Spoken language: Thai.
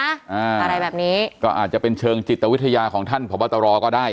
อะไรแบบนี้ก็อาจจะเป็นเชิงจิตวิทยาของท่านพบตรก็ได้